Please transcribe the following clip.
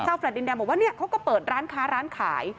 เช่าแฟลดดินแดงบอกว่าเขาก็เปิดร้านค้าร้านขาย